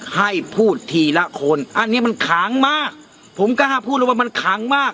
ให้พูดทีละคนอันนี้มันค้างมากผมกล้าพูดเลยว่ามันขังมาก